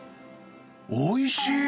おいしい！